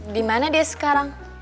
dimana dia sekarang